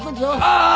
ああ！